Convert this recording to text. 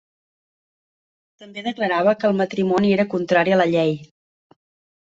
També declarava que el matrimoni era contrari a la llei.